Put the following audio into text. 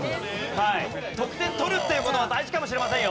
得点取るっていう事は大事かもしれませんよ。